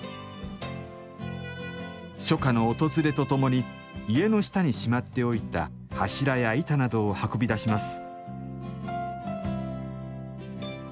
初夏の訪れとともに家の下にしまっておいた柱や板などを運び出します。